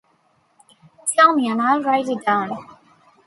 Tell me and I'll write it down.